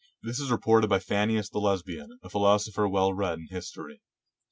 This is reported by Phanias the Les bian, a philosopher well read in history.